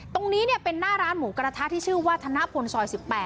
ตรงนี้เป็นหน้าร้านหมูกระทะที่ชื่อว่าธนพลซอย๑๘